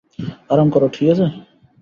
আরাম কর, ঠিক আছে?